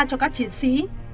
cho các chiến sĩ